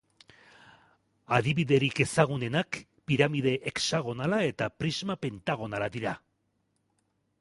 Adibiderik ezagunenak piramide hexagonala eta prisma pentagonala dira.